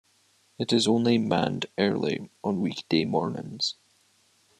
It is only manned early on weekday mornings.